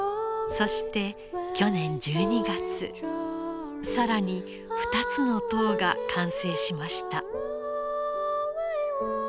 そして去年１２月更に２つの塔が完成しました。